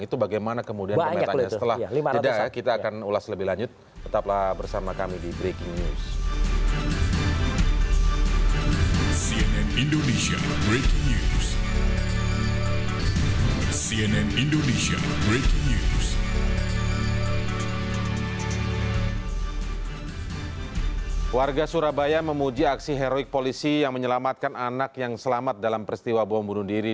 itu bagaimana kemudian kembali tanya setelah